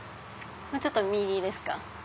もうちょっと右ですか。